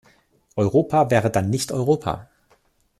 Europa wäre dann nicht Europa.